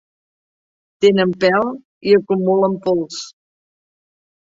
Tenen pèl i acumulen pols.